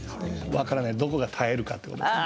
分からない、どこが耐えるかということですね。